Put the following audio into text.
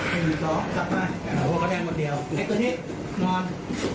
ทีมสองกลับมาหัวกล้องแดงหมดเดียวเน็ตตัวที่นอน